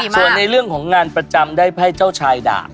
ส่วนในเรื่องของงานประจำได้ไพ่เจ้าชายด่าง